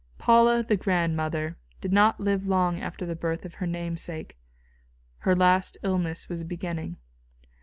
Paula, the grandmother, did not live long after the birth of her namesake. Her last illness was beginning.